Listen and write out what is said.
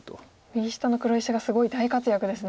右下の黒石がすごい大活躍ですね。